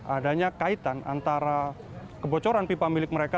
adanya kaitan antara kebocoran pipa milik mereka